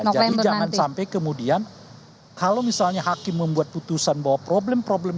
jadi jangan sampai kemudian kalau misalnya hakim membuat putusan bahwa problem problem